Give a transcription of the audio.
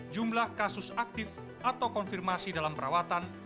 jumlah kasus aktif atau konfirmasi dalam perawatan